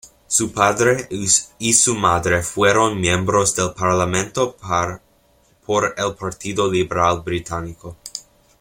Su padre y su madre fueron miembros del Parlamento por el Partido Liberal británico.